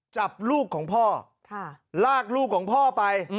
จับลูกของพ่อลากลูกของพ่อไป